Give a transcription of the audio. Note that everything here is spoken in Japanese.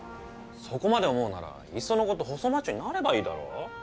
そこまで思うならいっそのこと細マッチョになればいいだろ？